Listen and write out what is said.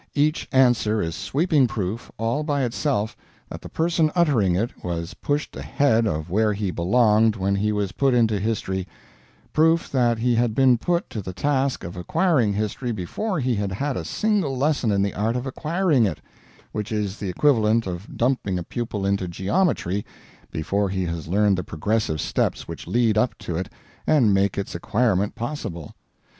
Each answer is sweeping proof, all by itself, that the person uttering it was pushed ahead of where he belonged when he was put into history; proof that he had been put to the task of acquiring history before he had had a single lesson in the art of acquiring it, which is the equivalent of dumping a pupil into geometry before he has learned the progressive steps which lead up to it and make its acquirement possible.